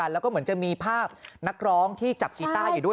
แล้วก็เหมือนจะมีภาพนักร้องที่จับกีต้าอยู่ด้วย